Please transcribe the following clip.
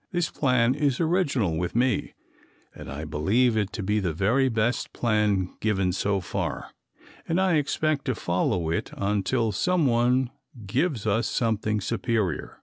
This plan is original with me and I believe it to be the very best plan given so far, and I expect to follow it until someone gives us something superior.